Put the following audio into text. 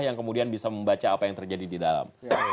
yang kemudian bisa membaca apa yang terjadi di dalam